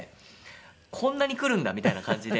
こんなに来るんだみたいな感じで。